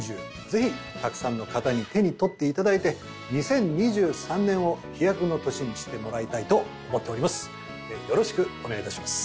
ぜひたくさんの方に手に取っていただいて２０２３年を飛躍の年にしてもらいたいと思っております